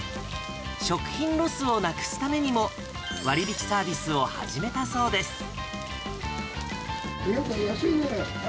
食品ロスをなくすためにも、割引サービスを始めたそうです。